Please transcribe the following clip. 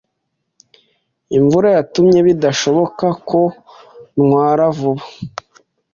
Imvura yatumye bidashoboka ko ntwara vuba.